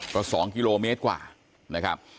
ก็๒กิโลเมตรกว่านะครับ